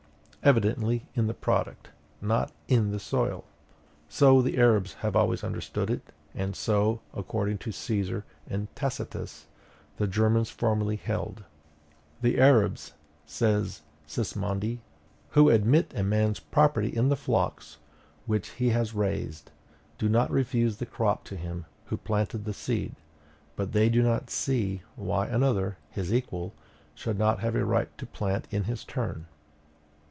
Evidently IN THE PRODUCT, not IN THE SOIL. So the Arabs have always understood it; and so, according to Caesar and Tacitus, the Germans formerly held. "The Arabs," says M. de Sismondi, "who admit a man's property in the flocks which he has raised, do not refuse the crop to him who planted the seed; but they do not see why another, his equal, should not have a right to plant in his turn.